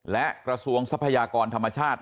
และกระทรวงทรัพยากรธรรมชาติ